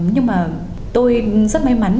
nhưng mà tôi rất may mắn